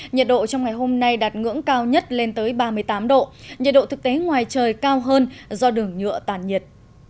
nhiệt độ trong ngày hôm nay đạt ngưỡng cao nhất lên tới ba mươi tám độ nhiệt độ thực tế ngoài trời cao hơn do đường nhựa tàn nhiệt